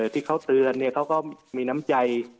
ที่เขาเตือนเขาก็มีน้ำใจ